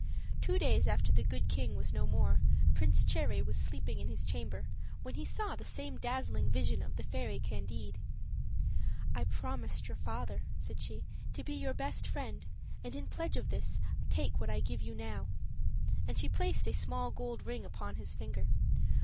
Two days after the Good King was no more, Prince Cherry was sleeping in his chamber, when he saw the same dazzling vision of the fairy Candide. "I promised your father," said she, "to be your best friend, and in pledge of this take what I now give you;" and she placed a small gold ring upon his finger.